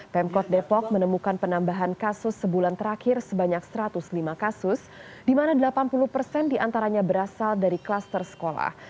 pemkot depok menemukan penambahan kasus sebulan terakhir sebanyak satu ratus lima kasus di mana delapan puluh persen diantaranya berasal dari klaster sekolah